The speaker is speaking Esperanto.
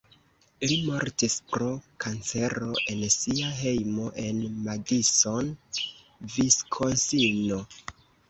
Li mortis pro kancero en sia hejmo en Madison (Viskonsino).